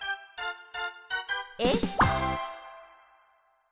えっ？